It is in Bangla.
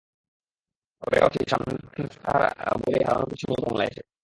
তবে এটাও ঠিক, সামনে দক্ষিণ আফ্রিকা বলেই হারানোর কিছু নেই বাংলাদেশের।